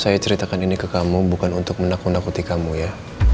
saya ceritakan ini ke kamu bukan untuk menakut nakuti kamu ya